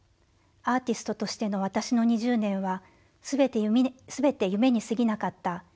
アーティストとしての私の２０年は全て夢にすぎなかった。